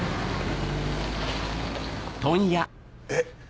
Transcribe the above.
えっ？